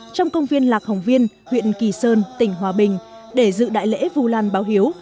trong công viên lạc hồng viên huyện kỳ sơn tỉnh hòa bình để dự đại lễ vu lan báo hiếu